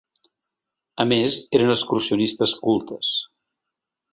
A més, eren excursionistes cultes.